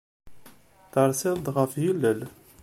Terseḍ-d ɣef yilel.